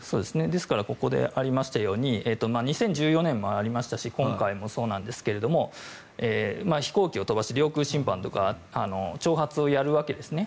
ですからここでありましたように２０１４年もありましたし今回もそうなんですが飛行機を飛ばし領空侵犯とか挑発をやるわけですね。